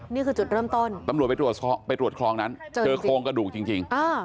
นี่คือจุดเริ่มต้นตำรวจไปตรวจคลองนั้นเจอโครงกระดูกจริง